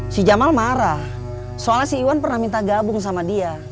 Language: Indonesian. si jamal marah soalnya si iwan pernah minta gabung sama dia